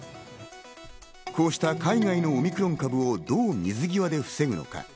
こうした海外のオミクロン株をどう水際で防ぐのか。